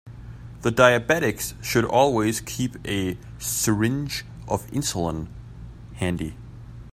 Diabetics should always keep a syringe of insulin handy.